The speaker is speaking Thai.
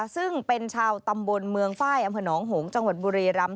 ซึ่งเป็นชาวตำบลเมืองฝ้ายอำเภอหนองหงษ์จังหวัดบุรีรำ